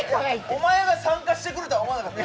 お前が参加してくるとは思わなかった。